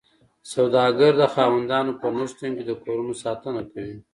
سوداګر د خاوندانو په نشتون کې د کورونو ساتنه کوي